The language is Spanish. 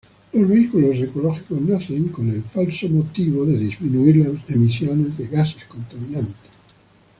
Los vehículos ecológicos nacen por el motivo de disminuir las emisiones de gases contaminantes.